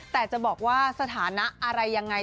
แต่จะบอกว่าสถานะอะไรยังไง